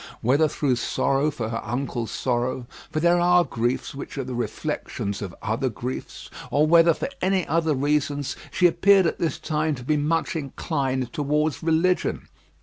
Whether through sorrow for her uncle's sorrow for there are griefs which are the reflections of other griefs or whether for any other reasons, she appeared at this time to be much inclined towards religion.